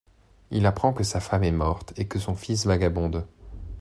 Il apprend que sa femme est morte et que son fils vagabonde.